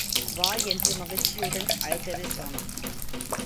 வா என்று மகிழ்ச்சியுடன் அழைத்தது சோனா.